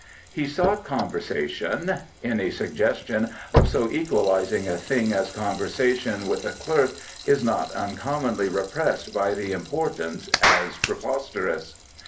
He sought conversation (any suggestion of so equalising a thing as conversation with a clerk is not uncommonly repressed by the important as preposterous).